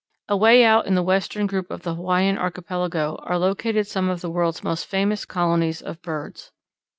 Away out in the western group of the Hawaiian Archipelago are located some of the world's most famous colonies of birds.